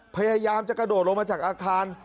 พยายามจะกระโดดลงมาจากอาคาร